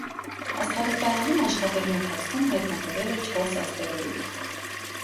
Աստղադիտարանում աշխատելու ընթացքում հայտնաբերել է չորս աստերոիդ։